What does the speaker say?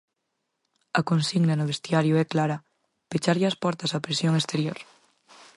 A consigna no vestiario é clara: Pecharlle as portas á presión exterior.